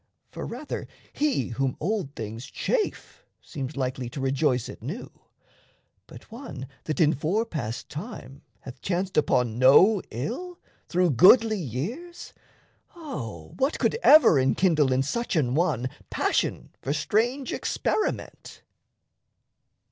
For rather he Whom old things chafe seems likely to rejoice At new; but one that in fore passed time Hath chanced upon no ill, through goodly years, O what could ever enkindle in such an one Passion for strange experiment?